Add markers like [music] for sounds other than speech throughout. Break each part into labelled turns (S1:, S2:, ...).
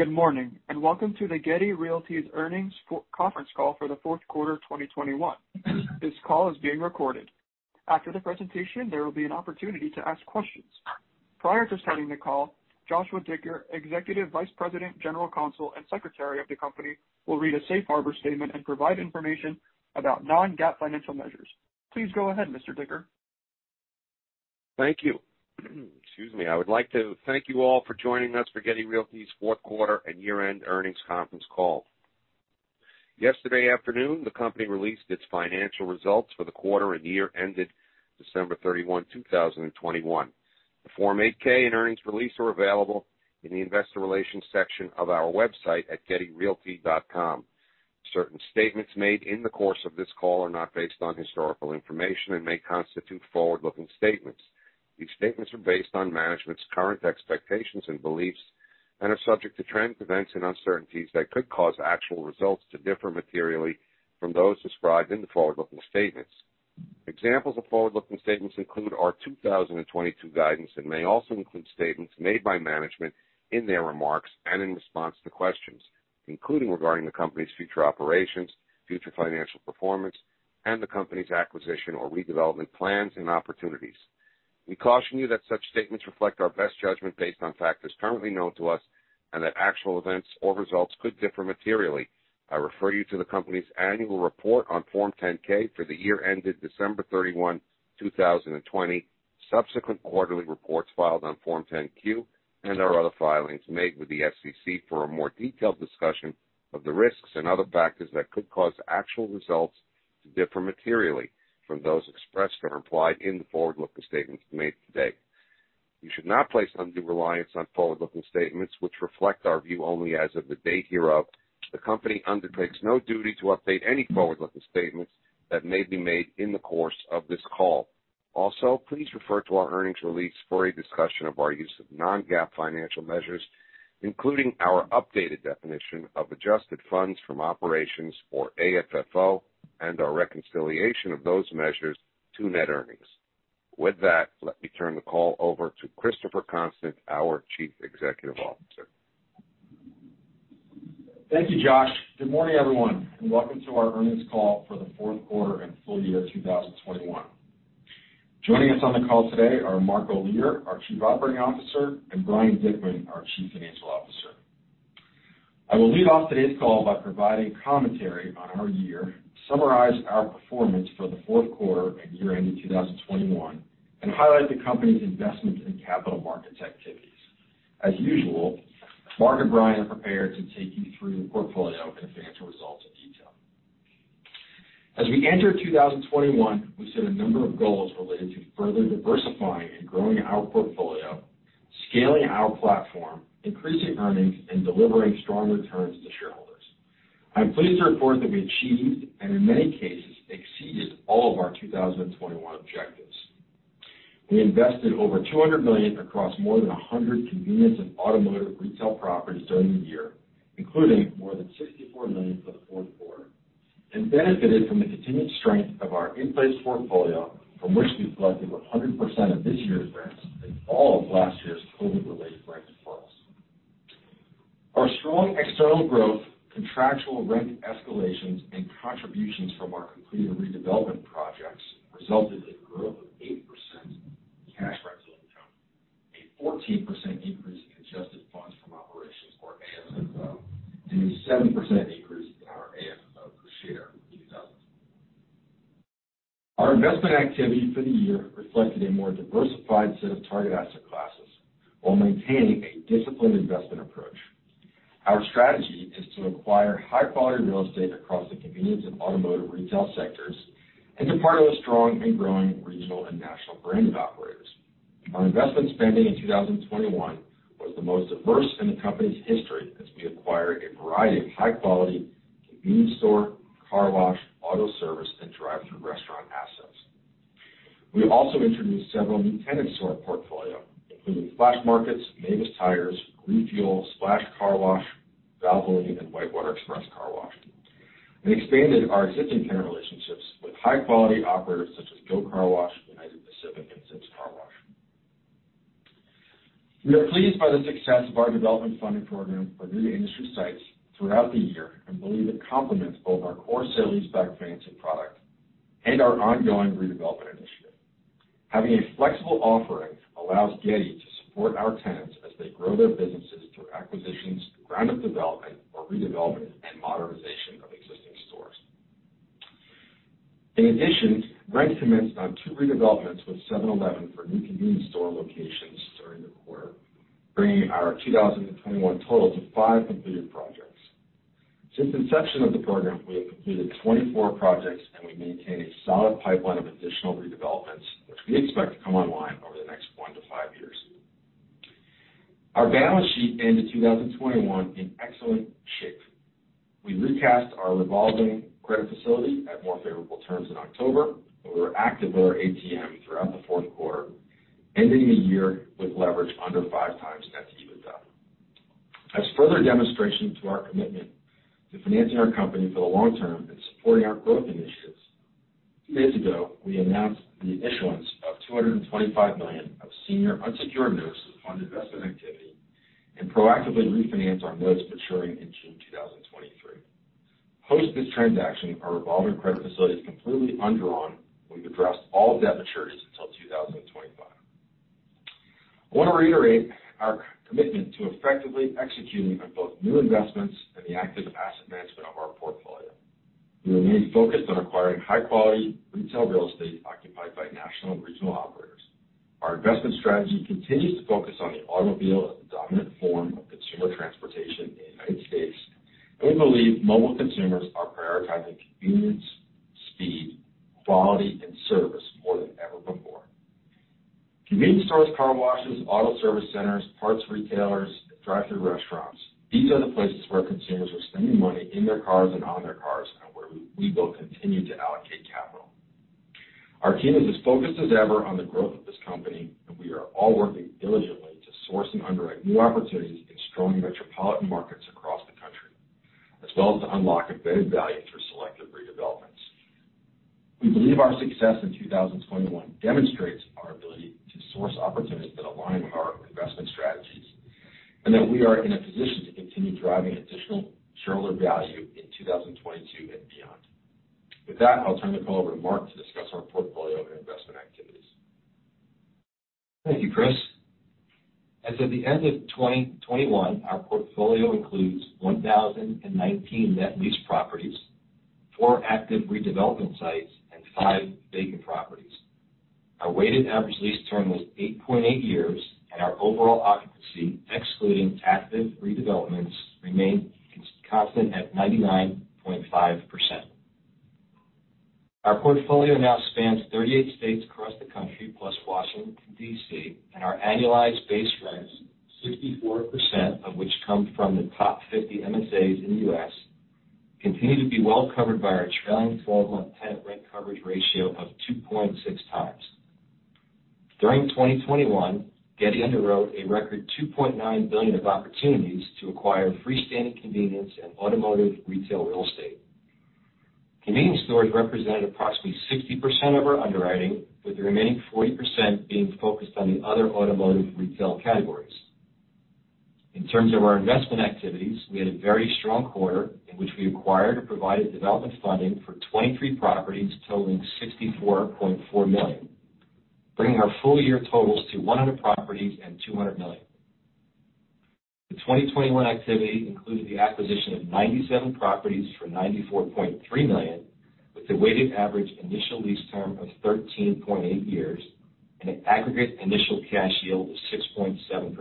S1: Good morning, and welcome to the Getty Realty's Earnings Conference Call for the fourth quarter of 2021. This call is being recorded. After the presentation, there will be an opportunity to ask questions. Prior to starting the call, Joshua Dicker, Executive Vice President, General Counsel, and Secretary of the company, will read a safe harbor statement and provide information about non-GAAP financial measures. Please go ahead, Mr. Dicker.
S2: Thank you. Excuse me. I would like to thank you all for joining us for Getty Realty's fourth quarter and year-end earnings conference call. Yesterday afternoon, the company released its financial results for the quarter and year ended December 31, 2021. The Form 8-K and earnings release are available in the investor relations section of our website at gettyrealty.com. Certain statements made in the course of this call are not based on historical information and may constitute forward-looking statements. These statements are based on management's current expectations and beliefs and are subject to trends, events, and uncertainties that could cause actual results to differ materially from those described in the forward-looking statements. Examples of forward-looking statements include our 2022 guidance and may also include statements made by management in their remarks and in response to questions, including regarding the company's future operations, future financial performance, and the company's acquisition or redevelopment plans and opportunities. We caution you that such statements reflect our best judgment based on factors currently known to us and that actual events or results could differ materially. I refer you to the company's annual report on Form 10-K for the year ended December 31, 2020, subsequent quarterly reports filed on Form 10-Q, and our other filings made with the SEC for a more detailed discussion of the risks and other factors that could cause actual results to differ materially from those expressed or implied in the forward-looking statements made today. You should not place undue reliance on forward-looking statements which reflect our view only as of the date hereof. The company undertakes no duty to update any forward-looking statements that may be made in the course of this call. Also, please refer to our earnings release for a discussion of our use of non-GAAP financial measures, including our updated definition of adjusted funds from operations or AFFO and our reconciliation of those measures to net earnings. With that, let me turn the call over to Christopher Constant, our Chief Executive Officer.
S3: Thank you, Josh. Good morning, everyone, and welcome to our earnings call for the fourth quarter and full year 2021. Joining us on the call today are Mark Olear, our Chief Operating Officer, and Brian Dickman, our Chief Financial Officer. I will lead off today's call by providing commentary on our year, summarize our performance for the fourth quarter and year end in 2021, and highlight the company's investment in capital markets activities. As usual, Mark and Brian are prepared to take you through the portfolio and financial results in detail. As we enter 2021, we set a number of goals related to further diversifying and growing our portfolio, scaling our platform, increasing earnings, and delivering strong returns to shareholders. I'm pleased to report that we achieved, and in many cases exceeded, all of our 2021 objectives. We invested over $200 million across more than 100 convenience and automotive retail properties during the year, including more than $64 million for the fourth quarter, and benefited from the continued strength of our in-place portfolio from which we collected 100% of this year's rents and all of last year's COVID-related rent defaults. Our strong external growth, contractual rent escalations, and contributions from our completed redevelopment projects resulted in growth of 8% cash rental income, a 14% [audio distortion] and a 7%. [audio distortion] Our investment activity for the year reflected a more diversified set of target asset classes while maintaining a disciplined investment approach. Our strategy is to acquire high-quality real estate across the convenience and automotive retail sectors and to partner with strong and growing regional and national branded operators. Our investment spending in 2021 was the most diverse in the company's history as we acquired a variety of high-quality convenience store, car wash, auto service, and drive-through restaurant assets. We also introduced several new tenants to our portfolio, including Flash Market, Mavis Tires, Refuel, Splash Car Wash, Valvoline, and WhiteWater Express Car Wash, and expanded our existing tenant relationships with high-quality operators such as Go Car Wash, United Pacific, and ZIPS Car Wash. We are pleased by the success of our development funding program for new industry sites throughout the year and believe it complements both our core sale-leaseback financing product and our ongoing redevelopment initiative. Having a flexible offering allows Getty to support our tenants as they grow their businesses through acquisitions, ground-up development or redevelopment, and modernization of existing stores. In addition, rent commenced on two redevelopments with 7-Eleven for new convenience store locations during the quarter, bringing our 2021 total to five completed projects. Since inception of the program, we have completed 24 projects, and we maintain a solid pipeline of additional redevelopments which we expect to come online over the next one to five years. Our balance sheet ended 2021 in excellent shape. We recast our revolving credit facility at more favorable terms in October, and we were active with our ATM throughout the fourth quarter, ending the year with leverage under 5x net debt to EBITDA. As further demonstration to our commitment to financing our company for the long term and supporting our growth initiatives. Two days ago, we announced the issuance of $225 million of senior unsecured notes to fund investment activity and proactively refinance our notes maturing in June 2023. Post this transaction, our revolving credit facility is completely undrawn, and we've addressed all debt maturities until 2025. I wanna reiterate our commitment to effectively executing on both new investments and the active asset management of our portfolio. We remain focused on acquiring high-quality retail real estate occupied by national and regional operators. Our investment strategy continues to focus on the automobile as the dominant form of consumer transportation in the United States, and we believe mobile consumers are prioritizing convenience, speed, quality, and service more than ever before. Convenience stores, car washes, auto service centers, parts retailers, and drive-thru restaurants, these are the places where consumers are spending money in their cars and on their cars, and where we will continue to allocate capital. Our team is as focused as ever on the growth of this company, and we are all working diligently to source and underwrite new opportunities in strong metropolitan markets across the country, as well as to unlock embedded value through selective redevelopments. We believe our success in 2021 demonstrates our ability to source opportunities that align with our investment strategies and that we are in a position to continue driving additional shareholder value in 2022 and beyond. With that, I'll turn the call over to Mark to discuss our portfolio and investment activities.
S4: Thank you, Chris. As of the end of 2021, our portfolio includes 1,019 net lease properties, four active redevelopment sites, and five vacant properties. Our weighted average lease term was 8.8 years, and our overall occupancy, excluding active redevelopments, remained constant at 99.5%. Our portfolio now spans 38 states across the country, plus Washington, D.C., and our annualized base rents, 64% of which come from the top 50 MSAs in the U.S., continue to be well covered by our trailing 12-month tenant rent coverage ratio of 2.6x. During 2021, Getty underwrote a record $2.9 billion of opportunities to acquire freestanding convenience and automotive retail real estate. Convenience stores represented approximately 60% of our underwriting, with the remaining 40% being focused on the other automotive retail categories. In terms of our investment activities, we had a very strong quarter in which we acquired or provided development funding for 23 properties totaling $64.4 million, bringing our full year totals to 100 properties and $200 million. The 2021 activity included the acquisition of 97 properties for $94.3 million with a weighted average initial lease term of 13.8 years and an aggregate initial cash yield of 6.7%.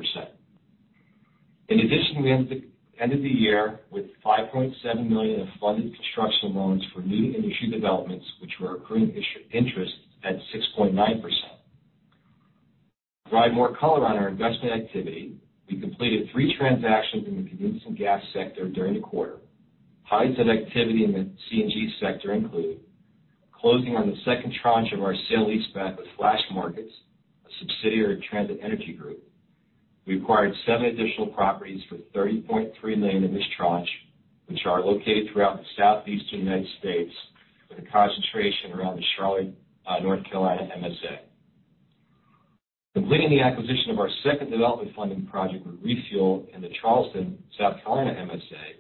S4: In addition, we ended the year with $5.7 million of funded construction loans for new-to-industry developments which were accruing interest at 6.9%. To provide more color on our investment activity, we completed three transactions in the convenience and gas sector during the quarter. Highlights of activity in the C&G sector include closing on the second tranche of our sale-leaseback with Flash Markets, a subsidiary of Transit Energy Group. We acquired seven additional properties for $30.3 million in this tranche, which are located throughout the southeastern United States with a concentration around the Charlotte, North Carolina MSA. Completing the acquisition of our second development funding project with Refuel in the Charleston, South Carolina MSA.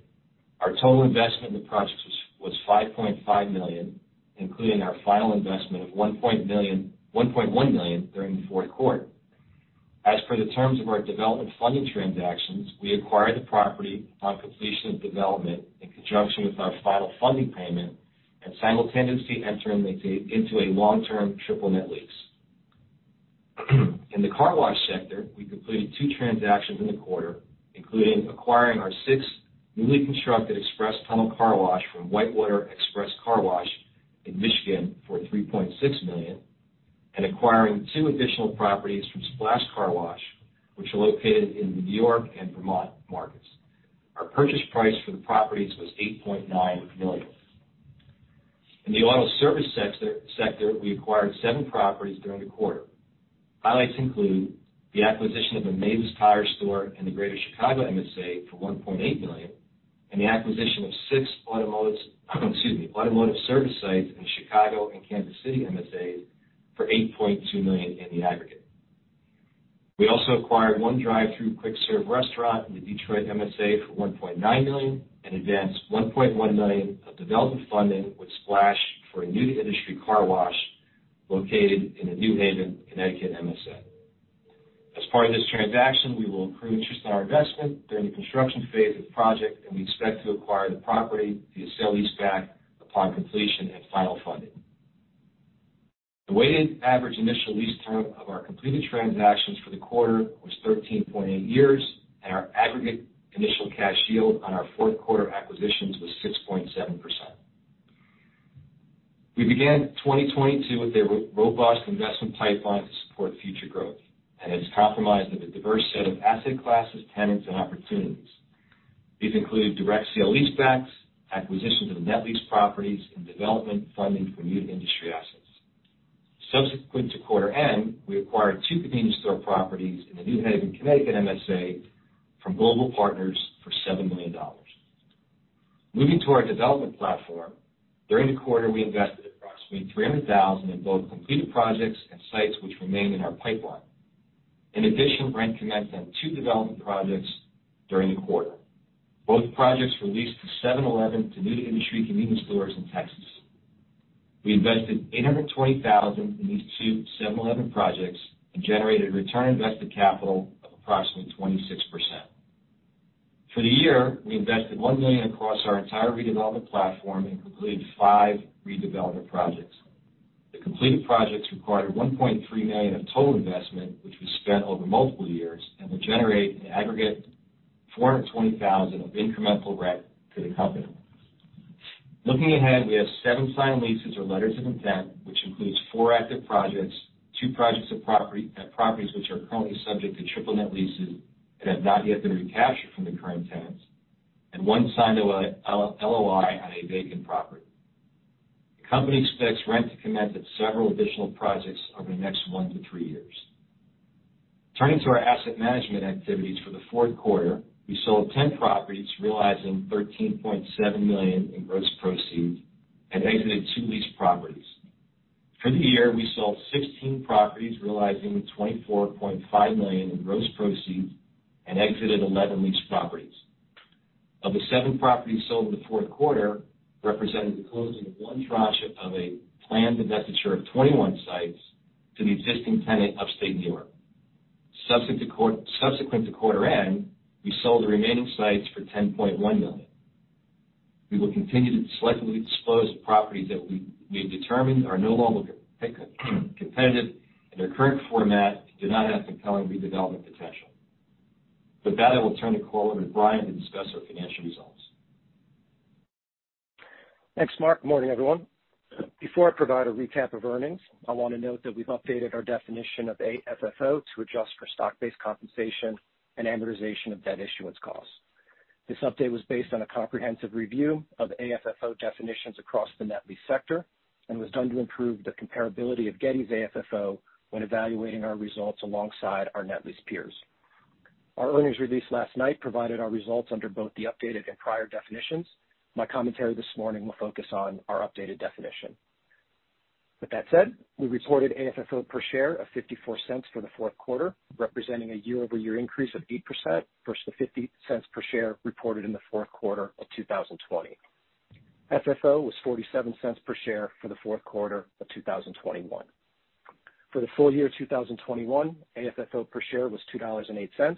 S4: Our total investment in the project was $5.5 million, including our final investment of $1.1 million during the fourth quarter. As for the terms of our development funding transactions, we acquired the property on completion of development in conjunction with our final funding payment and simultaneously entering into a long-term triple-net lease. In the car wash sector, we completed two transactions in the quarter, including acquiring our sixth newly constructed express tunnel car wash from WhiteWater Express Car Wash in Michigan for $3.6 million and acquiring two additional properties from Splash Car Wash, which are located in the New York and Vermont markets. Our purchase price for the properties was $8.9 million. In the auto service sector, we acquired seven properties during the quarter. Highlights include the acquisition of a Mavis Tires store in the Greater Chicago MSA for $1.8 million and the acquisition of six automotive service sites in Chicago and Kansas City MSAs for $8.2 million in the aggregate. We also acquired one drive-thru quick serve restaurant in the Detroit MSA for $1.9 million and advanced $1.1 million of development funding with Splash for a new express car wash located in the New Haven, Connecticut MSA. As part of this transaction, we will accrue interest on our investment during the construction phase of the project, and we expect to acquire the property via sale-leaseback upon completion and final funding. The weighted average initial lease term of our completed transactions for the quarter was 13.8 years, and our aggregate initial cash yield on our fourth quarter acquisitions was 6.7%. We began 2022 with a robust investment pipeline to support future growth, and it is comprised of a diverse set of asset classes, tenants, and opportunities. These include direct sale-leasebacks, acquisitions of net lease properties, and development funding for new industry assets. Subsequent to quarter end, we acquired two convenience store properties in the New Haven, Connecticut MSA from Global Partners for $7 million. Moving to our development platform, during the quarter, we invested approximately $300,000 in both completed projects and sites which remain in our pipeline. In addition, rent commenced on two development projects during the quarter. Both projects were leased to 7-Eleven to new industry convenience stores in Texas. We invested $820,000 in these two 7-Eleven projects and generated return on invested capital of approximately 26%. For the year, we invested $1 million across our entire redevelopment platform and completed five redevelopment projects. The completed projects required $1.3 million of total investment, which was spent over multiple years and will generate an aggregate $420,000 of incremental rent to the company. Looking ahead, we have seven signed leases or letters of intent, which includes four active projects, two projects of properties which are currently subject to triple net leases and have not yet been recaptured from the current tenants, and one signed LOI on a vacant property. The company expects rent to commence at several additional projects over the next one to three years. Turning to our asset management activities for the fourth quarter, we sold 10 properties, realizing $13.7 million in gross proceeds and exited two lease properties. For the year, we sold 16 properties, realizing $24.5 million in gross proceeds and exited 11 lease properties. Of the seven properties sold in the fourth quarter, which represented the closing of one tranche of a planned divestiture of 21 sites to the existing tenant in the State of New York. Subsequent to quarter end, we sold the remaining sites for $10.1 million. We will continue to selectively dispose of properties that we've determined are no longer competitive in their current format and do not have compelling redevelopment potential. With that, I will turn the call to Brian to discuss our financial results.
S5: Thanks, Mark. Good morning, everyone. Before I provide a recap of earnings, I wanna note that we've updated our definition of AFFO to adjust for stock-based compensation and amortization of debt issuance costs. This update was based on a comprehensive review of AFFO definitions across the net lease sector and was done to improve the comparability of Getty's AFFO when evaluating our results alongside our net lease peers. Our earnings release last night provided our results under both the updated and prior definitions. My commentary this morning will focus on our updated definition. With that said, we reported AFFO per share of $0.54 for the fourth quarter, representing a year-over-year increase of 8% versus the $0.50 per share reported in the fourth quarter of 2020. FFO was $0.47 per share for the fourth quarter of 2021. For the full year of 2021, AFFO per share was $2.08,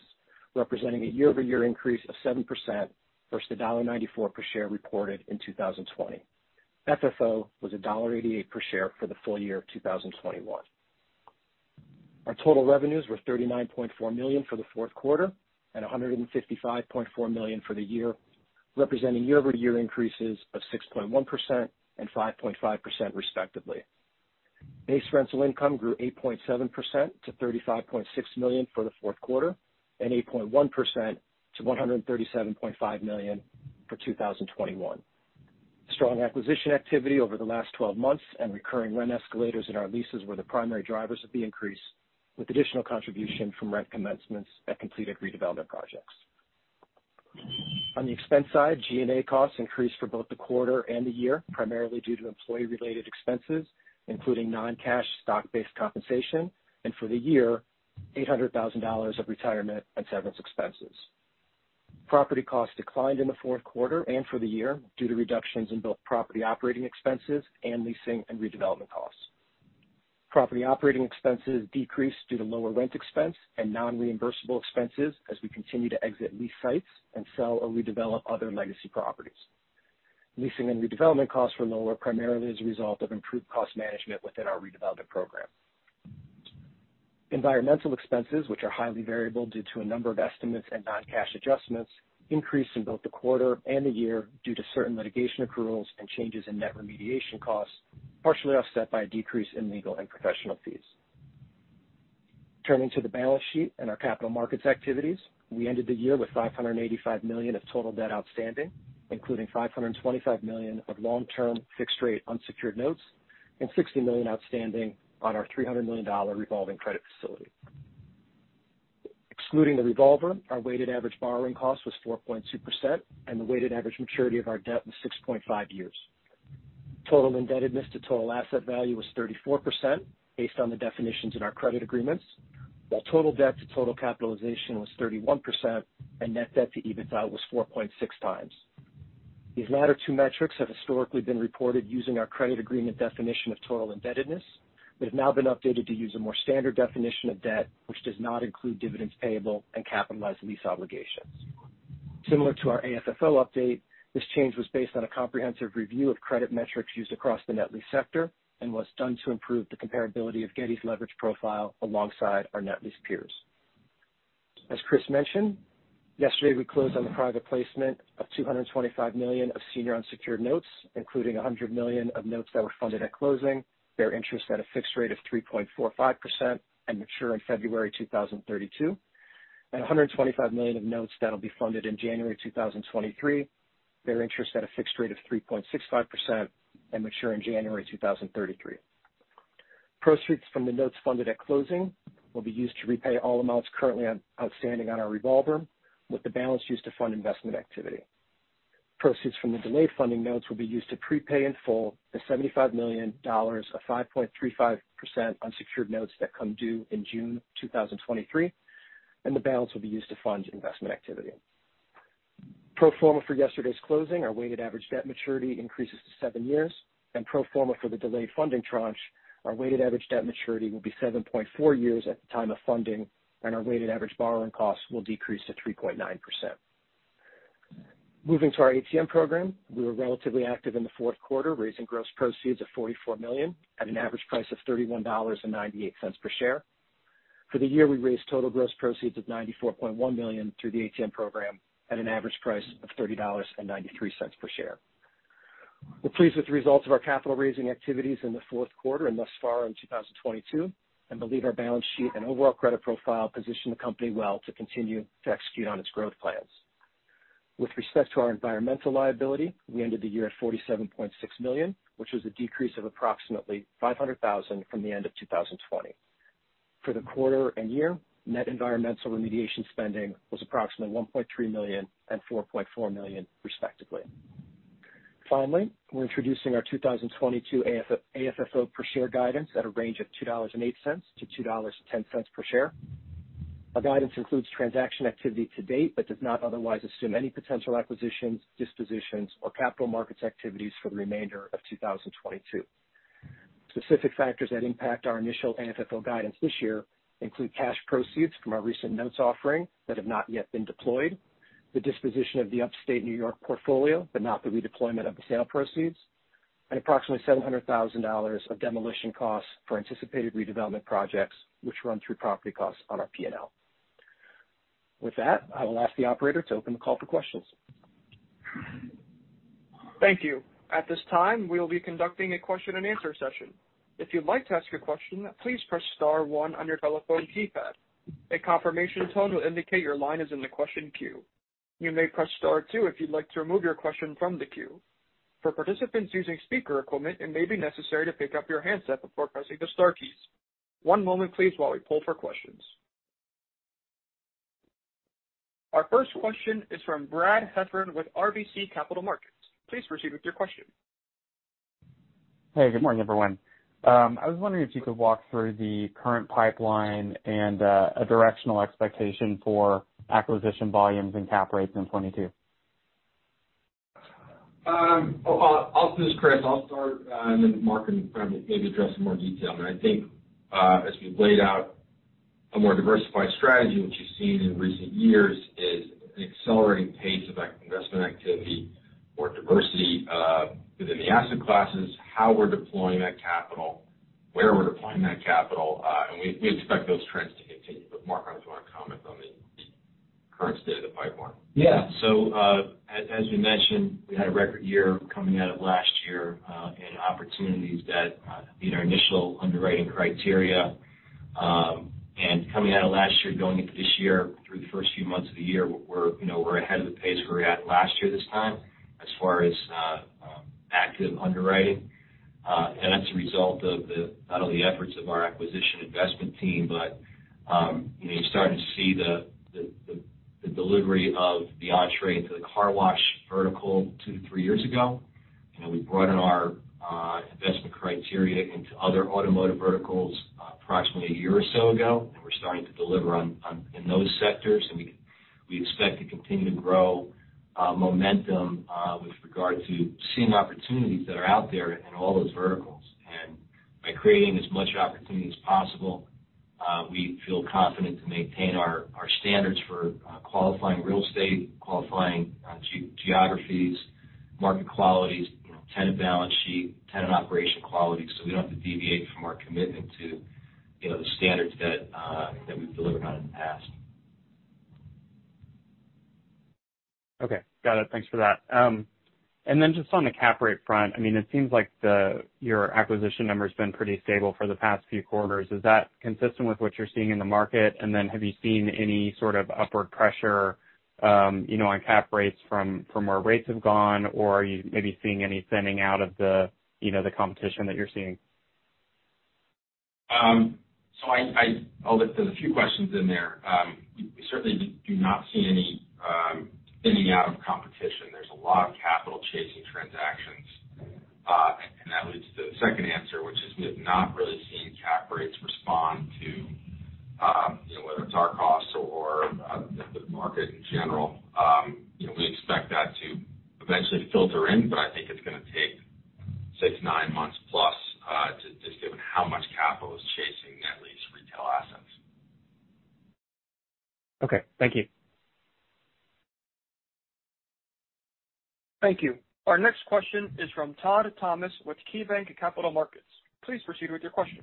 S5: representing a year-over-year increase of 7% versus the $1.94 per share reported in 2020. FFO was $1.88 per share for the full year of 2021. Our total revenues were $39.4 million for the fourth quarter and $155.4 million for the year, representing year-over-year increases of 6.1% and 5.5%, respectively. Base rental income grew 8.7% to $35.6 million for the fourth quarter and 8.1% to $137.5 million for 2021. Strong acquisition activity over the last 12 months and recurring rent escalators in our leases were the primary drivers of the increase, with additional contribution from rent commencements and completed redevelopment projects. On the expense side, G&A costs increased for both the quarter and the year, primarily due to employee-related expenses, including non-cash stock-based compensation, and for the year, $800,000 of retirement and severance expenses. Property costs declined in the fourth quarter and for the year due to reductions in both property operating expenses and leasing and redevelopment costs. Property operating expenses decreased due to lower rent expense and non-reimbursable expenses as we continue to exit lease sites and sell or redevelop other legacy properties. Leasing and redevelopment costs were lower primarily as a result of improved cost management within our redevelopment program. Environmental expenses, which are highly variable due to a number of estimates and non-cash adjustments, increased in both the quarter and the year due to certain litigation accruals and changes in net remediation costs, partially offset by a decrease in legal and professional fees. Turning to the balance sheet and our capital markets activities, we ended the year with $585 million of total debt outstanding, including $525 million of long-term fixed rate unsecured notes and $60 million outstanding on our $300 million revolving credit facility. Excluding the revolver, our weighted average borrowing cost was 4.2%, and the weighted average maturity of our debt was 6.5 years. Total indebtedness to total asset value was 34% based on the definitions in our credit agreements, while total debt to total capitalization was 31% and net debt to EBITDA was 4.6x. These latter two metrics have historically been reported using our credit agreement definition of total indebtedness but have now been updated to use a more standard definition of debt, which does not include dividends payable and capitalized lease obligations. Similar to our AFFO update, this change was based on a comprehensive review of credit metrics used across the net lease sector and was done to improve the comparability of Getty's leverage profile alongside our net lease peers. As Chris mentioned, yesterday, we closed on the private placement of $225 million of senior unsecured notes, including $100 million of notes that were funded at closing, bear interest at a fixed rate of 3.45% and mature in February 2032. $125 million of notes that'll be funded in January 2023. They bear interest at a fixed rate of 3.65% and mature in January 2033. Proceeds from the notes funded at closing will be used to repay all amounts currently outstanding on our revolver, with the balance used to fund investment activity. Proceeds from the delayed funding notes will be used to prepay in full the $75 million of 5.35% unsecured notes that come due in June 2023, and the balance will be used to fund investment activity. Pro forma for yesterday's closing, our weighted average debt maturity increases to seven years. Pro forma for the delayed funding tranche, our weighted average debt maturity will be 7.4 years at the time of funding, and our weighted average borrowing costs will decrease to 3.9%. Moving to our ATM program, we were relatively active in the fourth quarter, raising gross proceeds of $44 million at an average price of $31.98 per share. For the year, we raised total gross proceeds of $94.1 million through the ATM program at an average price of $30.93 per share. We're pleased with the results of our capital raising activities in the fourth quarter and thus far in 2022, and believe our balance sheet and overall credit profile position the company well to continue to execute on its growth plans. With respect to our environmental liability, we ended the year at $47.6 million, which was a decrease of approximately $500,000 from the end of 2020. For the quarter and year, net environmental remediation spending was approximately $1.3 million and $4.4 million, respectively. Finally, we're introducing our 2022 AFFO per share guidance at a range of $2.08-$2.10 per share. Our guidance includes transaction activity to date, but does not otherwise assume any potential acquisitions, dispositions, or capital markets activities for the remainder of 2022. Specific factors that impact our initial AFFO guidance this year include cash proceeds from our recent notes offering that have not yet been deployed, the disposition of the Upstate New York portfolio, but not the redeployment of the sale proceeds, and approximately $700,000 of demolition costs for anticipated redevelopment projects, which run through property costs on our P&L. With that, I will ask the operator to open the call for questions.
S1: Thank you. At this time, we will be conducting a question-and-answer session. If you'd like to ask a question, please press star one on your telephone keypad. A confirmation tone will indicate your line is in the question queue. You may press star two if you'd like to remove your question from the queue. For participants using speaker equipment, it may be necessary to pick up your handset before pressing the star keys. One moment please while we poll for questions. Our first question is from Brad Heffern with RBC Capital Markets. Please proceed with your question.
S6: Hey, good morning, everyone. I was wondering if you could walk through the current pipeline and a directional expectation for acquisition volumes and cap rates in 2022?
S3: This is Chris. I'll start, and then Mark can probably maybe address in more detail. I think, as we've laid out, a more diversified strategy, which you've seen in recent years, is an accelerating pace of acquisition and investment activity or diversification, within the asset classes, how we're deploying that capital, where we're deploying that capital, and we expect those trends to continue. Mark might also want to comment on the current state of the pipeline.
S4: Yeah. As we mentioned, we had a record year coming out of last year, and opportunities that meet our initial underwriting criteria. Coming out of last year, going into this year, through the first few months of the year, we're, you know, ahead of the pace we were at last year this time as far as active underwriting. That's a result of not only the efforts of our acquisition investment team, but you know, you're starting to see the delivery of the entry into the car wash vertical two, three years ago. You know, we brought in our investment criteria into other automotive verticals approximately a year or so ago, and we're starting to deliver on in those sectors. We expect to continue to grow momentum with regard to seeing opportunities that are out there in all those verticals. By creating as much opportunity as possible, we feel confident to maintain our standards for qualifying real estate, qualifying geographies, market qualities, you know, tenant balance sheet, tenant operation quality, so we don't have to deviate from our commitment to, you know, the standards that we've delivered on in the past.
S6: Okay. Got it. Thanks for that. Just on the cap rate front, I mean, it seems like your acquisition number's been pretty stable for the past few quarters. Is that consistent with what you're seeing in the market? Have you seen any sort of upward pressure, you know, on cap rates from where rates have gone? Or are you maybe seeing any thinning out of the, you know, the competition that you're seeing?
S4: I'll address a few questions in there. We certainly do not see any thinning out of competition. There's a lot of capital chasing transactions. That leads to the second answer, which is we have not really seen cap rates respond to you know, whether it's our costs or the market in general. You know, we expect that to eventually filter in, but I think it's gonna take six, nine months plus, too, just given how much capital is chasing at least retail assets.
S6: Okay. Thank you.
S1: Thank you. Our next question is from Todd Thomas with KeyBanc Capital Markets. Please proceed with your question.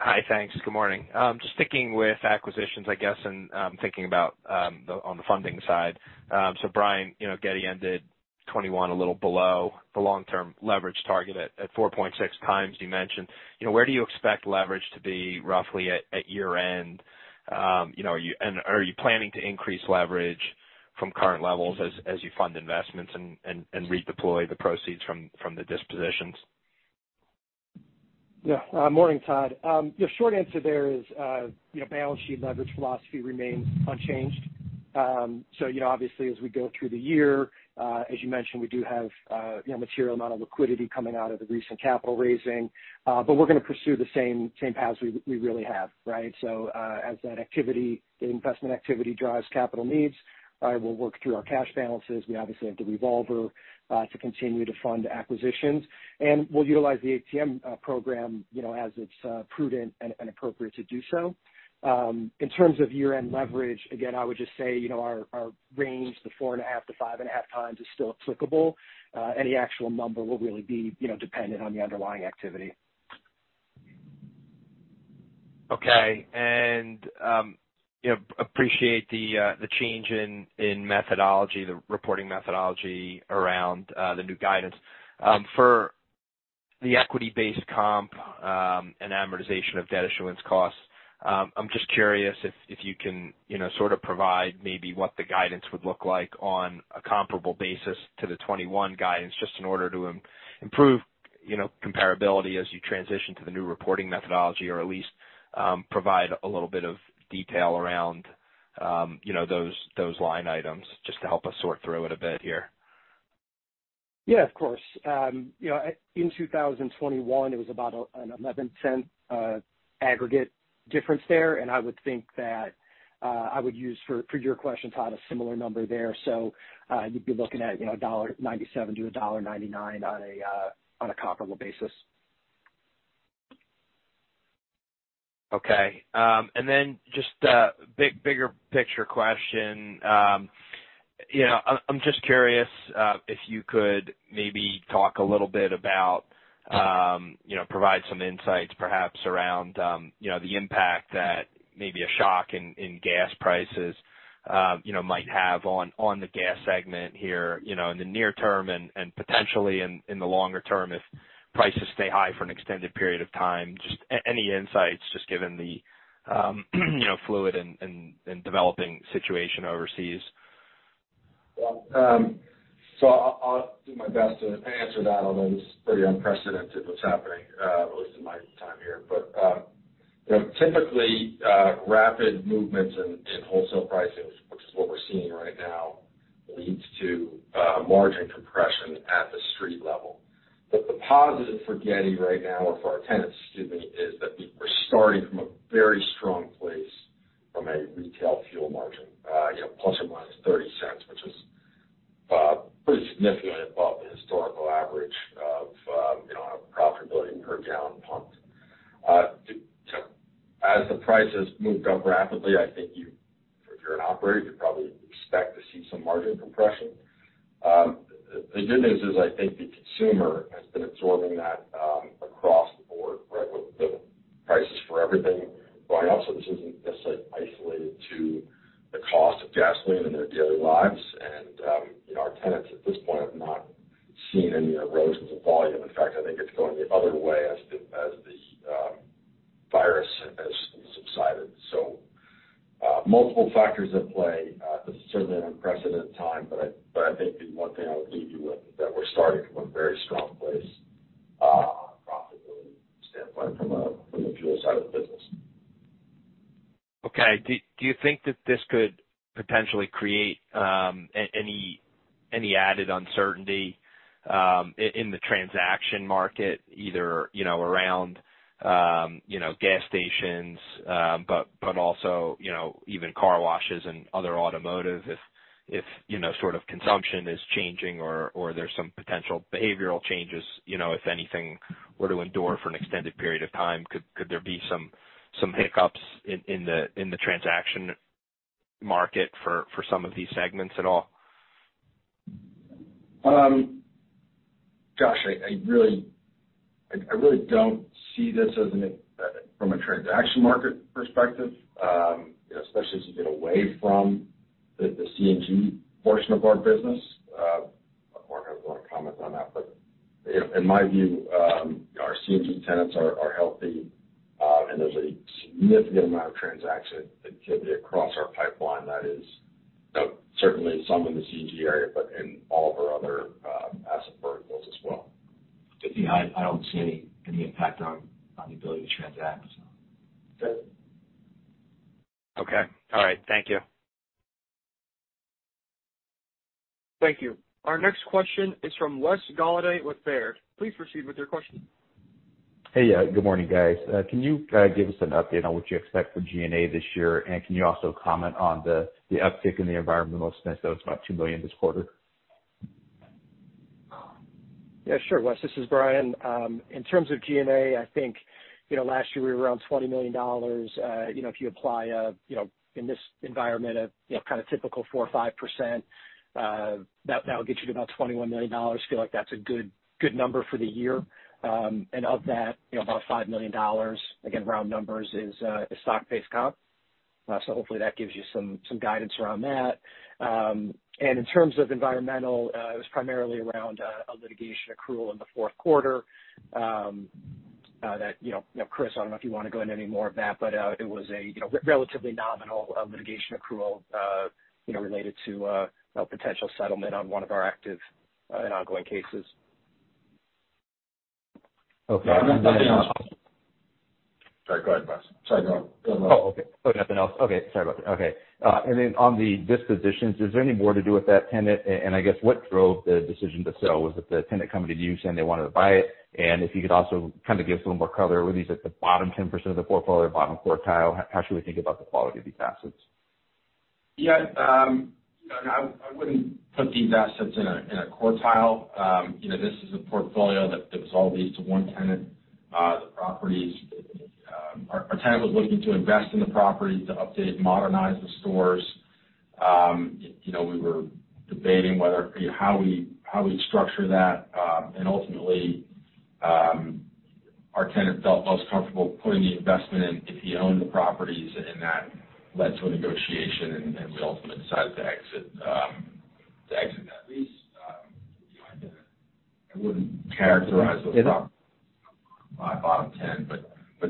S7: Hi. Thanks. Good morning. Just sticking with acquisitions, I guess, and thinking about on the funding side. Brian, you know, Getty ended 2021, a little below the long-term leverage target at 4.6x you mentioned. You know, where do you expect leverage to be roughly at year-end? You know, are you planning to increase leverage from current levels as you fund investments and redeploy the proceeds from the dispositions?
S5: Yeah. Morning, Todd. The short answer there is, you know, balance sheet leverage philosophy remains unchanged. Obviously as we go through the year, as you mentioned, we do have, you know, a material amount of liquidity coming out of the recent capital raising. We're gonna pursue the same paths we really have, right? As that activity, the investment activity drives capital needs, we'll work through our cash balances. We obviously have the revolver to continue to fund acquisitions, and we'll utilize the ATM program, you know, as it's prudent and appropriate to do so. In terms of year-end leverage, again, I would just say, you know, our range, the 4.5x to 5.5x is still applicable. Any actual number will really be, you know, dependent on the underlying activity.
S7: Okay. You know, I appreciate the change in methodology, the reporting methodology around the new guidance. For the equity-based comp and amortization of debt issuance costs, I'm just curious if you can, you know, sort of provide maybe what the guidance would look like on a comparable basis to the 2021 guidance, just in order to improve, you know, comparability as you transition to the new reporting methodology or at least provide a little bit of detail around, you know, those line items just to help us sort through it a bit here.
S5: Yeah, of course. You know, in 2021 it was about an $0.11 aggregate difference there, and I would think that I would use for your question, Todd, a similar number there. You'd be looking at, you know, $1.97-$1.99 on a comparable basis.
S7: Okay. Then just a bigger picture question. You know, I'm just curious if you could maybe talk a little bit about, you know, provide some insights perhaps around, you know, the impact that maybe a shock in gas prices, you know, might have on the gas segment here, you know, in the near term and potentially in the longer term if prices stay high for an extended period of time. Just any insights just given the, you know, fluid and developing situation overseas.
S3: I'll do my best to answer that, although it's pretty unprecedented what's happening at least in my time here. You know, typically, rapid movements in wholesale pricing, which is what we're seeing right now, leads to margin compression at the street level. The positive for Getty right now or for our tenants, excuse me, is that we're starting from a very strong place from a retail fuel margin, ±$0.30, which is pretty significantly above the historical average of our profitability per gallon pumped. As the prices move up rapidly, I think you, if you're an operator, you probably expect to see some margin compression. The good news is I think the consumer has been absorbing that across the board, right? With the prices for everything going up, this isn't necessarily isolated to the cost of gasoline in their daily lives. You know, our tenants at this point have not seen any erosion to volume. In fact, I think it's going the other way as the virus has subsided. Multiple factors at play. This is certainly an unprecedented time, but I think the one thing I would leave you with is that we're starting from a very strong place from a profitability standpoint from the fuel side of the business.
S7: Okay. Do you think that this could potentially create any added uncertainty in the transaction market, either you know around you know gas stations but also you know even car washes and other automotive if you know sort of consumption is changing or there's some potential behavioral changes you know if anything were to endure for an extended period of time, could there be some hiccups in the transaction market for some of these segments at all?
S3: I really don't see this from a transaction market perspective, you know, especially as you get away from the C&G portion of our business. Mark might wanna comment on that. You know, in my view, our C&G tenants are healthy, and there's a significant amount of transaction activity across our pipeline that is, you know, certainly some in the C&G area, but in all of our other asset verticals as well.
S5: Yeah. I don't see any impact on the ability to transact, so.
S3: That's it.
S7: Okay. All right. Thank you.
S1: Thank you. Our next question is from Wes Golladay with Baird. Please proceed with your question.
S8: Hey. Good morning, guys. Can you give us an update on what you expect for G&A this year? Can you also comment on the uptick in the environmental expense that was about $2 million this quarter?
S5: Yeah, sure, Wes. This is Brian. In terms of G&A, I think, you know, last year we were around $20 million. You know, if you apply a, you know, in this environment a, you know, kind of typical 4% or 5%, that'll get you to about $21 million. Feel like that's a good number for the year. And of that, you know, about $5 million, again, round numbers, is stock-based comp. Hopefully that gives you some guidance around that. In terms of environmental, it was primarily around a litigation accrual in the fourth quarter, you know, Chris, I don't know if you wanna go into any more of that, but it was a, you know, relatively nominal litigation accrual, you know, related to a potential settlement on one of our active and ongoing cases.
S8: Okay. [crosstalk]
S3: Sorry. Go ahead, Wes. Sorry, go ahead.
S8: Oh, okay. Nothing else. Okay. Sorry about that. Okay. On the dispositions, is there any more to do with that tenant? I guess what drove the decision to sell? Was it the tenant coming to you saying they wanted to buy it? If you could also kind of give some more color, were these at the bottom 10% of the portfolio, bottom quartile? How should we think about the quality of these assets?
S3: Yeah. You know, I wouldn't put these assets in a quartile. You know, this is a portfolio that was all leased to one tenant. The properties. Our tenant was looking to invest in the property to update and modernize the stores. You know, we were debating whether you know, how we'd structure that. Ultimately, our tenant felt most comfortable putting the investment in if he owned the properties, and that led to a negotiation, and we ultimately decided to exit to exit that lease. You know, I wouldn't characterize those.
S8: Yeah.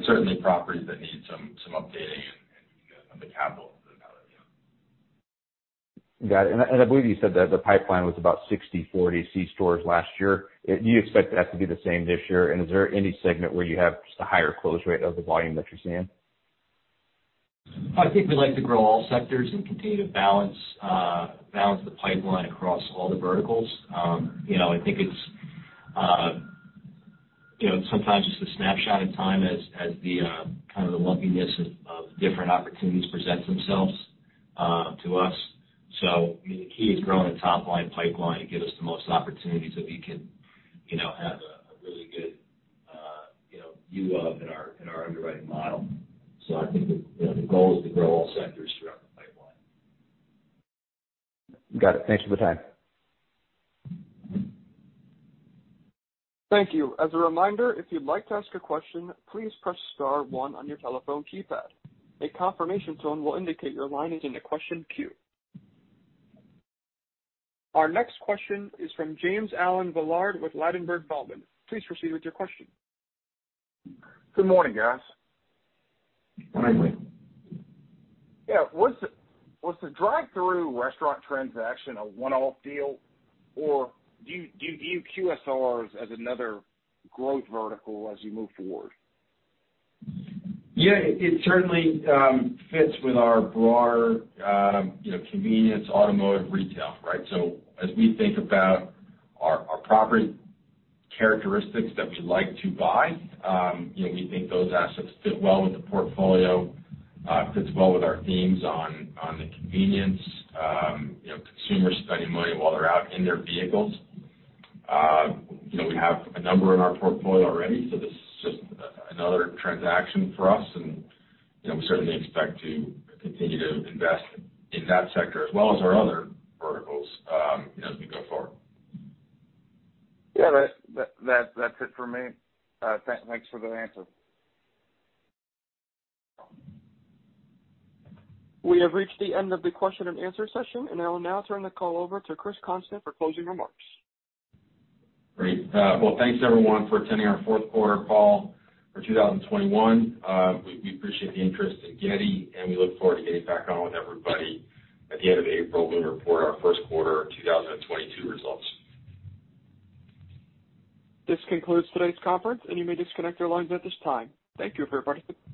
S3: Certainly properties that need some updating and, you know, some capital to do that, you know.
S8: Got it. I believe you said that the pipeline was about 60, 40 C-stores last year. Do you expect that to be the same this year? Is there any segment where you have just a higher close rate of the volume that you're seeing?
S3: I think we'd like to grow all sectors and continue to balance the pipeline across all the verticals. You know, I think it's, you know, sometimes just a snapshot in time as the kind of the lumpiness of different opportunities present themselves to us. I mean, the key is growing the top-line pipeline to give us the most opportunities that we can, you know, have a really good, you know, view of in our underwriting model. I think the, you know, the goal is to grow all sectors throughout the pipeline.
S8: Got it. Thanks for the time.
S1: Thank you. As a reminder, if you'd like to ask a question, please press star one on your telephone keypad. A confirmation tone will indicate your line is in the question queue. Our next question is from James Allen Villard with Ladenburg Thalmann. Please proceed with your question.
S9: Good morning, guys.
S3: Morning.
S9: Yeah. Was the drive-thru restaurant transaction a one-off deal, or do you view QSR as another growth vertical as you move forward?
S3: Yeah, it certainly fits with our broader, you know, convenience, automotive, retail, right? As we think about our property characteristics that we like to buy, you know, we think those assets fit well with the portfolio, fits well with our themes on the convenience, you know, consumers spending money while they're out in their vehicles. You know, we have a number in our portfolio already, so this is just another transaction for us. We certainly expect to continue to invest in that sector as well as our other verticals as we go forward.
S9: Yeah, that's it for me. Thanks for the answer.
S1: We have reached the end of the question and answer session, and I will now turn the call over to Chris Constant for closing remarks.
S3: Great. Well, thanks everyone for attending our fourth quarter call for 2021. We appreciate the interest in Getty, and we look forward to getting back on with everybody at the end of April when we report our first quarter of 2022 results.
S1: This concludes today's conference, and you may disconnect your lines at this time. Thank you, everybody.